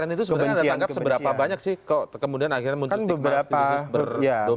keren itu sebenarnya ada tangkap seberapa banyak sih kemudian akhirnya muncul stigmatisasi berdomen islam